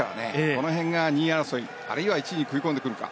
この辺が２位争い、あるいは１位に食い込んでくるか。